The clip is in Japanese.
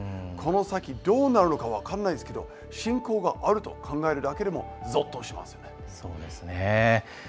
この先、どうなるのか分からないですけど侵攻があると考えるだけでもぞっとしますよね。